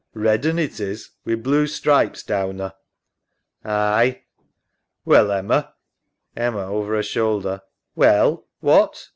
Red un it is wi' blue stripes down 'er. EMMA. Aye. SAM. Well, Emma? EMMA (over her shoulder). Well, what?